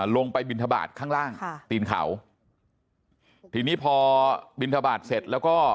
บินทบาทข้างล่างค่ะตีนเขาทีนี้พอบินทบาทเสร็จแล้วก็